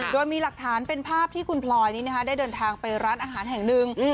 โดยมีหลักฐานเป็นภาพที่คุณพลอยนี้ได้เดินทางไปร้านอาหารแห่งหนึ่ง